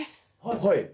はい。